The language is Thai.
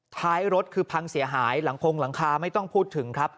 ท้ายรถคือพังเสียหายหลังคงหลังคาไม่ต้องพูดถึงครับ